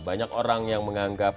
banyak orang yang menganggap